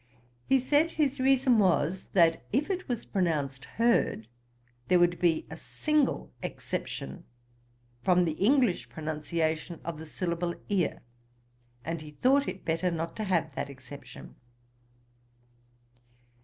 He said, his reason was, that if it was pronounced herd, there would be a single exception from the English pronunciation of the syllable ear, and he thought it better not to have that exception.